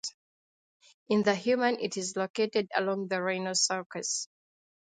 In the human it is located along the rhinal sulcus.